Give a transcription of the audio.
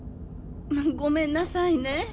ごめんなさいね。